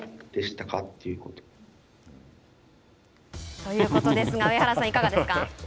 ということですが上原さん、いかがですか。